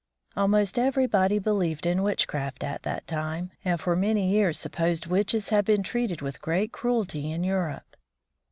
Almost everybody believed in witchcraft at that time, and for many years supposed witches had been treated with great cruelty in Europe.